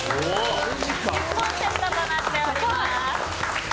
１０本セットとなっております。